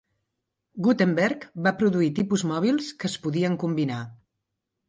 Gutenberg va produir tipus mòbils que es podien combinar.